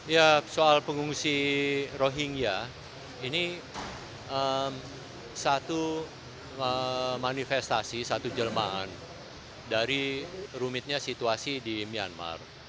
ya soal pengungsi rohingya ini satu manifestasi satu jelmaan dari rumitnya situasi di myanmar